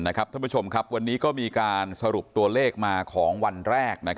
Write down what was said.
ท่านผู้ชมครับวันนี้ก็มีการสรุปตัวเลขมาของวันแรก